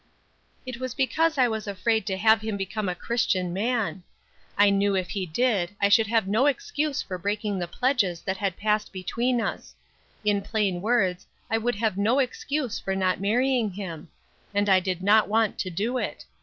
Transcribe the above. It was because I was afraid to have him become a Christian man! I knew if he did I should have no excuse for breaking the pledges that had passed between us; in plain words, I would have no excuse for not marrying him; and I did not want to do it!